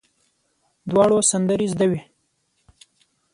دواړو سندرې زده وې.